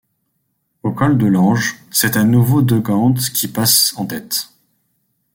Au col de l'Ange, c'est à nouveau De Gendt qui passe en tête.